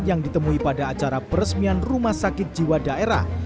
yang ditemui pada acara peresmian rumah sakit jiwa daerah